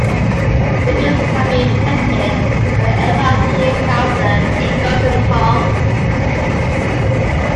He appears to have been protected by the Emperor's chief counselor, Gongsun Hong.